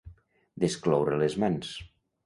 Descloure les mans.